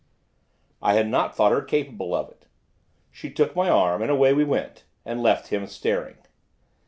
I had not thought her capable of it. She took my arm, and away we went, and left him staring.